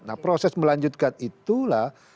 nah proses melanjutkan itulah